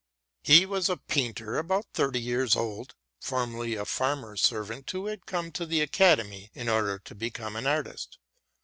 He was a painter about thirty years old, formerly a farmer's servant who had come to the Academy in order to become an artist.